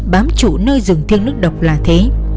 bám chủ nơi rừng thiêng nước độc là thế